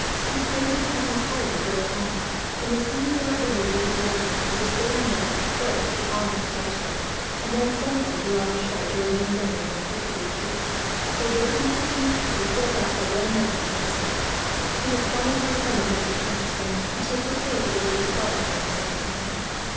He praised the cousins highly for their conduct and, as soon as they were able to be about again, he bestowed on both the honour of knighthood; and then sent them to La Rochelle, to remain there until perfectly cured. The vacancies in the troop were filled up by young men from the estate, who responded to the summons, of the countess, for men to take the place of those who had fallen in her son's command.